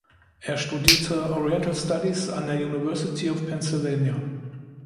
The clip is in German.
Er studierte Oriental Studies an der University of Pennsylvania.